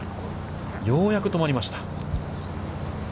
ようやく止まりました。